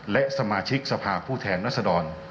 และสมาชิกสภาพผู้แทนรัศดร